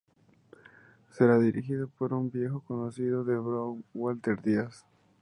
Será dirigido por un viejo conocido de Brown Walter Díaz.